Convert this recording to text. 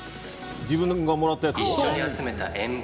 自分がもらったやつを？